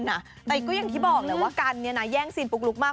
แต่ก็อย่างที่บอกแหละว่ากันแย่งซีนปุ๊กลุ๊กมาก